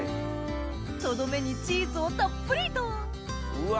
とどめにチーズをたっぷりと！うわ！